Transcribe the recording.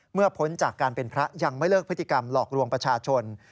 พ้นจากการเป็นพระยังไม่เลิกพฤติกรรมหลอกลวงประชาชน